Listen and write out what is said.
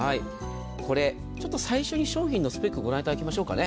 これ、最初に商品のスペックをご覧いただきましょうかね。